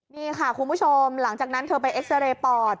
นี่ค่ะคุณผู้ชมหลังจากนั้นเธอไปเอ็กซาเรย์ปอด